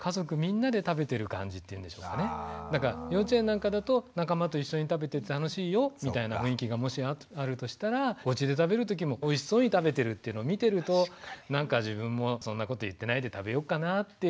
そこをちょっとこう幼稚園なんかだと仲間と一緒に食べて楽しいよみたいな雰囲気がもしあるとしたらおうちで食べる時もおいしそうに食べてるっていうのを見てるとなんか自分もそんなこと言ってないで食べようかなって。